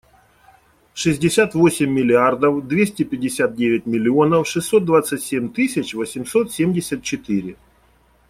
Шестьдесят восемь миллиардов двести пятьдесят девять миллионов шестьсот двадцать семь тысяч восемьсот семьдесят четыре.